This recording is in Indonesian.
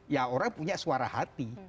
ya orang punya suara hati